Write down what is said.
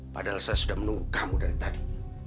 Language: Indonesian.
padahal saya sudah menunggu kamu dari tadi